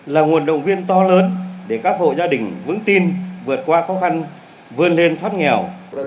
là nguồn động viên to lớn để các hộ gia đình vững tin vượt qua khó khăn vươn lên thoát nghèo